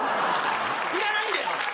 要らないんだよ！